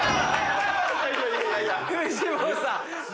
藤本さん。